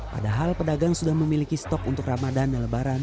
padahal pedagang sudah memiliki stok untuk ramadan dan lebaran